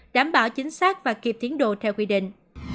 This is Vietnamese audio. đảm bảo chính xác và kịp tiến độ theo quy định